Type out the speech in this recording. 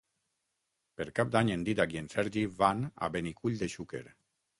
Per Cap d'Any en Dídac i en Sergi van a Benicull de Xúquer.